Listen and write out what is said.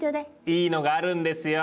いいのがあるんですよ。